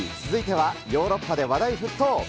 続いてはヨーロッパで話題沸騰！